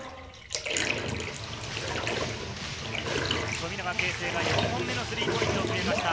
富永啓生が４本目のスリーポイントを決めました。